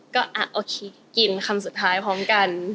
ก็โอเคกินคำสุดท้ายพร้อมกัน